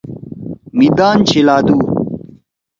مھی دان شیِلادُو۔